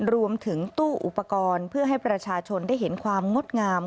รวมถึงตู้อุปกรณ์เพื่อให้ประชาชนได้เห็นความงดงาม